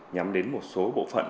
nhắm đến một số bộ phận